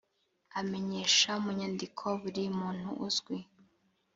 amenyesha mu nyandiko buri muntu uzwi.